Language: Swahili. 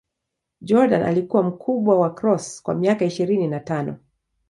Jordan alikuwa mkubwa wa Cross kwa miaka ishirini na tano.